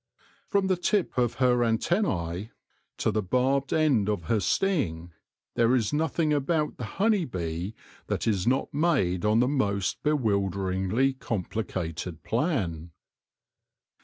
From the tip of her antennae to the barbed end of her sting, there is nothing about the honey bee that is not made on the most bewilderingly complicated plan.